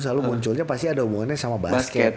selalu munculnya pasti ada hubungannya sama basket